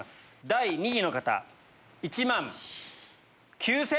第２位の方１万９千。